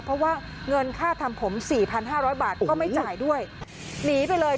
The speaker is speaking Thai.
เพราะว่าเงินค่าทำผมสี่พันห้าร้อยบาทก็ไม่จ่ายด้วยหนีไปเลย